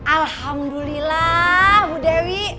alhamdulillah bu dewi